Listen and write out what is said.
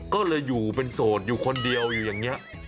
ก็เลยอยู่เป็นโสดอยู่คนเดียวอยู่อย่างนี้